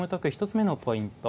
１つ目のポイント。